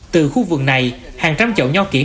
từ khu vườn này hàng trăm chậu nho kiện